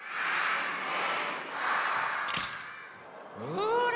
ほら！